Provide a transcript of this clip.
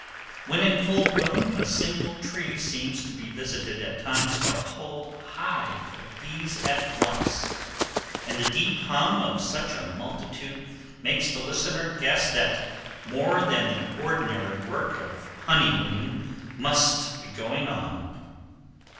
When in full bloom, a single tree seems to be visited at times by a whole hive of bees at once, and the deep hum of such a multitude makes the listener guess that more than the ordinary work of honey winning must be going on.